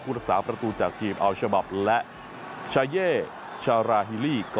ผู้ทักษาประตูจากทีมเอาว์ชาบอบและชาเยเชอราฮิลี